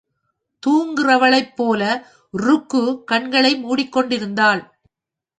தூங்குகிறவளைப் போல ருக்கு கண்களை மூடிக் கொண்டிருந்தாள்.